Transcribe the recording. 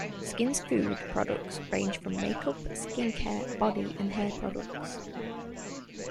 Skin Food's products range from makeup, skin care, body and hair products.